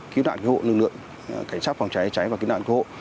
cứu nạn của hộ nương lượng cảnh sát phòng cháy cháy và cứu nạn của hộ